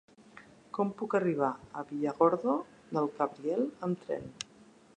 Com puc arribar a Villargordo del Cabriel amb tren?